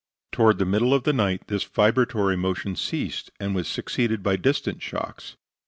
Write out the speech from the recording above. Toward the middle of the night this vibratory motion ceased, and was succeeded by distant shocks.